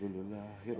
ibu sudah memaafkan kamu